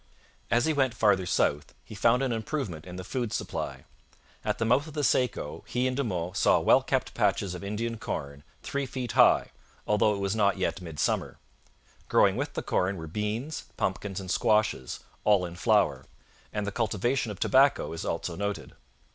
As he went farther south he found an improvement in the food supply. At the mouth of the Saco he and De Monts saw well kept patches of Indian corn three feet high, although it was not yet midsummer. Growing with the corn were beans, pumpkins, and squashes, all in flower; and the cultivation of tobacco is also noted.